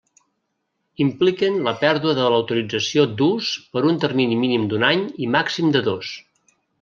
Impliquen la pèrdua de l'autorització d'ús per un termini mínim d'un any i màxim de dos.